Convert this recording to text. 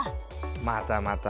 またまた。